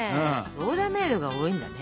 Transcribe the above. オーダーメードが多いんだね。